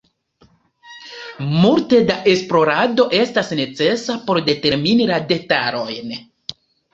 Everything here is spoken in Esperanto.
Multe da esplorado estas necesa por determini la detalojn.